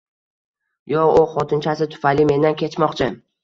Yo`q, u xotinchasi tufayli mendan kechmoqchi